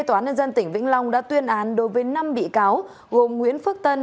thế toán nhân dân tỉnh vĩnh long đã tuyên án đối với năm bị cáo gồm nguyễn phước tân